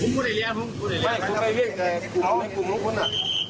พูดไอ้แหละพูดไอ้แหละ